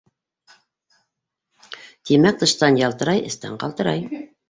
Тимәк, тыштан ялтырай, эстән ҡалтырай.